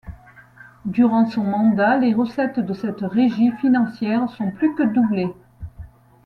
Durant son mandat, les recettes de cette régie financière sont plus que doublés.